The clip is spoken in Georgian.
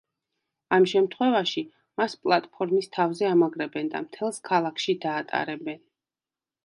ამ შემთხვევაში, მას პლატფორმის თავზე ამაგრებენ და მთელს ქალაქში დაატარებენ.